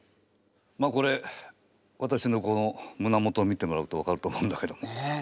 まあこれわたしのこのむなもとを見てもらうと分かると思うんだけど。